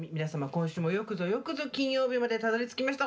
今週も、よくぞよくぞ金曜日までたどりつきました。